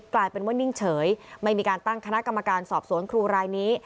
กลายเป็นว่านิ่งเฉยไม่มีการตั้งคณะกรรมการสอบสวนครูรายนี้